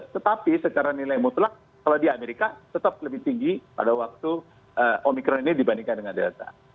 tetapi secara nilai mutlak kalau di amerika tetap lebih tinggi pada waktu omikron ini dibandingkan dengan delta